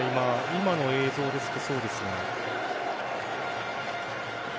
今の映像ですとそうです。